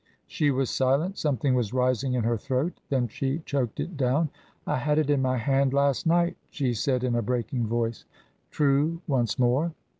She was silent. Something was rising in her throat. Then she choked it down. "I had it in my hand last night," she said in a breaking voice. True, once more.